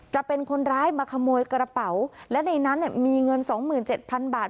จะเป็นคนร้ายมาขโมยกระเป๋าและในนั้นเนี่ยมีเงินสองหมื่นเจ็ดพันบาท